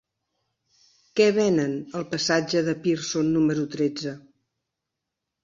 Què venen al passatge de Pearson número tretze?